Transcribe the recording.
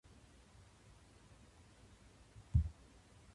京都旅行